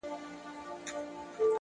هره لحظه د بدلون نوې دروازه ده!.